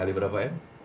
kali berapa ya